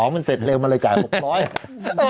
มันเสร็จเร็วมันเลยจ่าย๖๐๐บาท